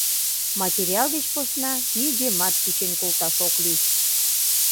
Материал деч посна нигӧмат кучен колташ ок лий.